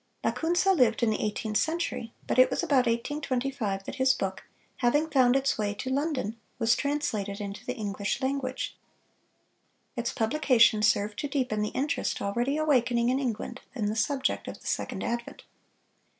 Lacunza lived in the eighteenth century, but it was about 1825 that his book, having found its way to London, was translated into the English language. Its publication served to deepen the interest already awakening in England in the subject of the second advent.